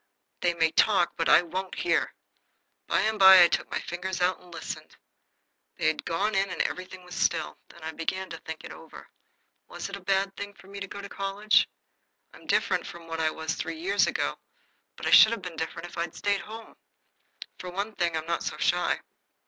They may talk, but I won't hear. By and by I took my fingers out and listened. They had gone in, and everything was still. Then I began to think it over. Was it a bad thing for me to go to college? I'm different from what I was three years ago, but I should have been different if I'd stayed at home. For one thing, I'm not so shy.